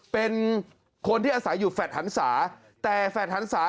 เป็นคนที่อาศัยอยู่ฟัฒนษาแต่ฟัฒนษา